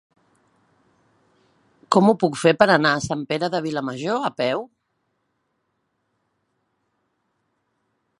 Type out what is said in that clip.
Com ho puc fer per anar a Sant Pere de Vilamajor a peu?